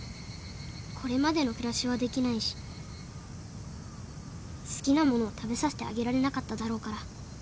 これまでの暮らしはできないし好きな物を食べさせてあげられなかっただろうから。